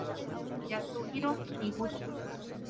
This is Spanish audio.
Yasuhiro Higuchi